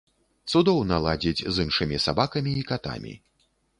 Цудоўна ладзіць з іншымі сабакамі і катамі.